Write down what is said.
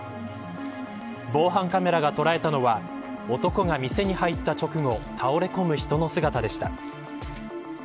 防犯カメラが捉えたのは男が店に入った直後倒れ込む人の姿でした。